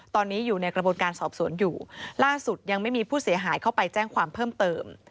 ตอนนี้อยู่ในกระบวนการสอบสวนอยู่ล่าสุดยังไม่มีผู้เสียหายเข้าไปแจ้งความเพิ่มเติม